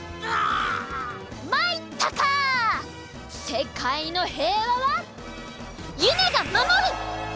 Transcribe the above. せかいのへいわはゆめがまもる！